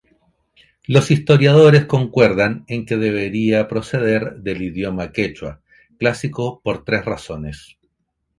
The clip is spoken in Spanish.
Los historiadores concuerdan en que debería proceder del idioma quechua clásico por tres razones.